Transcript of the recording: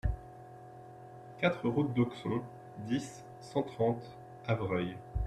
quatre route d'Auxon, dix, cent trente, Avreuil